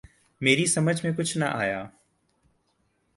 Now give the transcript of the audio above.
میری سمجھ میں کچھ نہ آیا۔